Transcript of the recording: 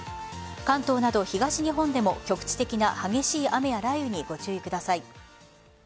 関東など東日本でも局地的な激しい雨や雷雨にご注意ください。